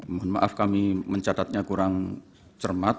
mohon maaf kami mencatatnya kurang cermat